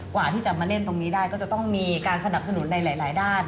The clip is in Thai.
กว่าที่จะมาเล่นตรงนี้ได้ก็จะต้องมีการสนับสนุนในหลายด้าน